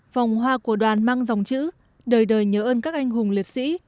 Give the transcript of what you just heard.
vòng hoa của đoàn mang dòng chữ đời đời nhớ ơn các anh hùng liệt sĩ